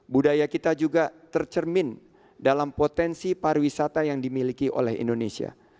budaya kita juga tercermin dalam potensi pariwisata yang dimiliki oleh indonesia